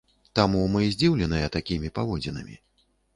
Таму мы здзіўленыя такімі паводзінамі.